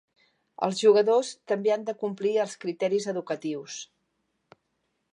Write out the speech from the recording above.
Els jugadors també han de complir els criteris educatius.